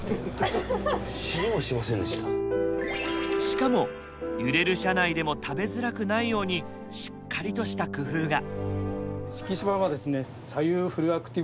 しかも揺れる車内でも食べづらくないようにしっかりとした工夫が。